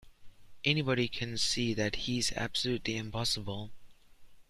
Anybody can see that he's absolutely impossible.